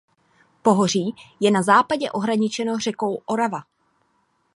Pohoří je na západě ohraničeno řekou Orava.